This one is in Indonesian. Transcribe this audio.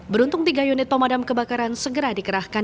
beruntung tiga unit pemadam kebakaran segera dikerahkan